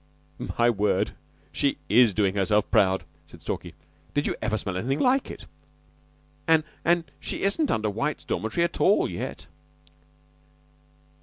"My word, she is doin' herself proud," said Stalky. "Did you ever smell anything like it? Ah, an' she isn't under White's dormitory at all yet."